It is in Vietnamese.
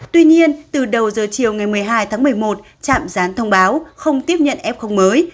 tuy nhiên từ đầu giờ chiều ngày một mươi hai tháng một mươi một trạm gián thông báo không tiếp nhận f mới